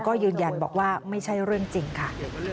ก็ยืนยันบอกว่าไม่ใช่เรื่องจริงค่ะ